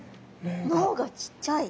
脳がちっちゃい。